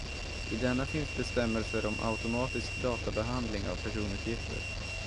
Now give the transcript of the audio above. I denna finns bestämmelser om automatisk databehandling av personuppgifter.